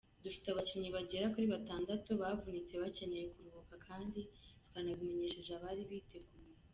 Dufite abakinnyi bagera kuri batandatu bavunitse bakeneye kuruhuka kandi twanabimenyesheje abariteguye.